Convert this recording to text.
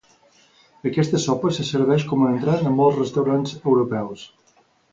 Aquesta sopa se serveix com a entrant en molts restaurants europeus.